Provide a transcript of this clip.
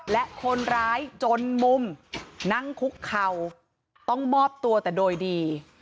และคนร้ายจนมุมนั่งคุกเข่าต้องมอบตัวแต่โดยดี